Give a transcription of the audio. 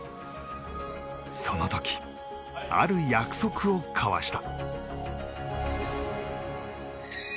その時、ある約束をかわした。